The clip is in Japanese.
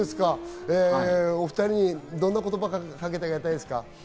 お２人にどんな言葉をかけてあげたいですか？